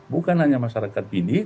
bukan hanya masyarakat pilih